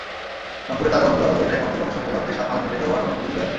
রংপুরে তারাগঞ্জ বাজারের একমাত্র গণশৌচাগারটি সাত মাস ধরে ব্যবহার অনুপযোগী হয়ে আছে।